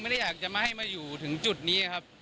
ไม่ได้อยากจะมาให้มาอยู่ถึงจุดนี้ครับ